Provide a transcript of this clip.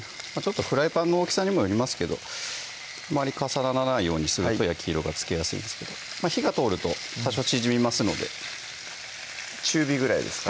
フライパンの大きさにもよりますけどあまり重ならないようにすると焼き色がつきやすいんですけど火が通ると多少縮みますので中火ぐらいですか？